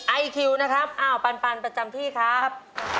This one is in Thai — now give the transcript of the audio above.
ไอคิวนะครับอ้าวปันประจำที่ครับ